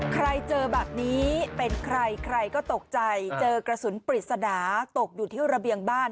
เจอแบบนี้เป็นใครใครก็ตกใจเจอกระสุนปริศนาตกอยู่ที่ระเบียงบ้าน